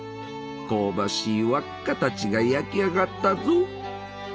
香ばしい輪っかたちが焼き上がったぞ！